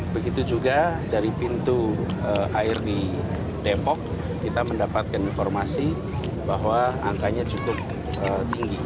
begitu juga dari pintu air di depok kita mendapatkan informasi bahwa angkanya cukup tinggi